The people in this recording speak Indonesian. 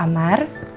sama pak amar